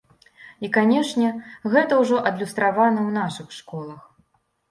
І, канешне, гэта ўжо адлюстравана ў нашых школах.